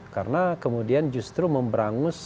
karena kemudian justru memberangus aktivitas